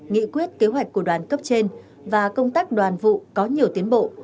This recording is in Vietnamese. nghị quyết kế hoạch của đoàn cấp trên và công tác đoàn vụ có nhiều tiến bộ